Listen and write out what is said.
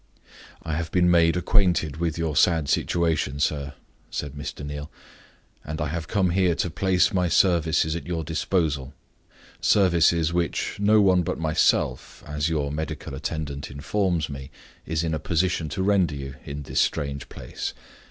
"I have been made acquainted with your sad situation, sir," said Mr. Neal; "and I have come here to place my services at your disposal services which no one but myself, as your medical attendant informs me, is in a position to render you in this strange place.